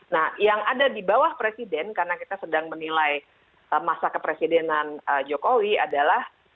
nah yang ada di bawah presiden karena kita sedang menilai masa kepresidenan jokowi adalah